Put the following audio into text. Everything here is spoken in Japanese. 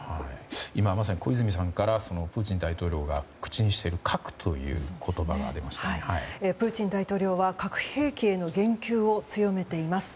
今まさに小泉さんからプーチン大統領が口にしているプーチン大統領は核兵器への言及を強めています。